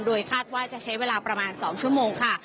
โดยคาดว่าจะใช้เวลาประมาณ๒ชั่วโมงค่ะ